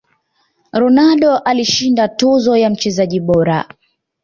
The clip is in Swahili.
ronaldo alishinda tuzo ya mchezaji bora